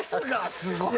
すごい！